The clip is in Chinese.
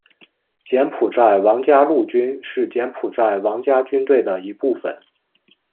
柬埔寨王家陆军是柬埔寨王家军队的一部分。